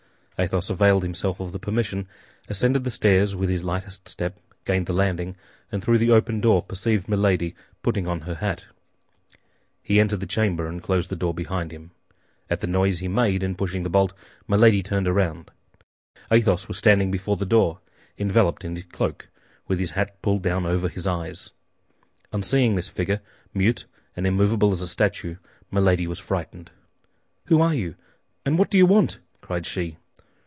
Athos availed himself of the permission, ascended the stairs with his lightest step, gained the landing, and through the open door perceived Milady putting on her hat. He entered the chamber and closed the door behind him. At the noise he made in pushing the bolt, Milady turned round. Athos was standing before the door, enveloped in his cloak, with his hat pulled down over his eyes. On seeing this figure, mute and immovable as a statue, Milady was frightened. "Who are you, and what do you want?" cried she.